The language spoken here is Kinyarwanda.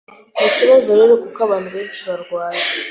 Ni ikibazo rero kuko abantu benshi barwaye